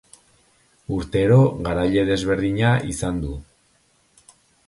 Urtero garaile desberdina izan du.